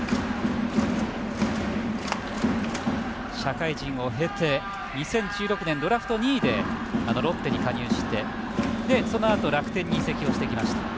社会人を経て、２０１６年ドラフト２位でロッテに加入してそのあと楽天に移籍をしてきました。